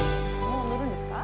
もう乗るんですか？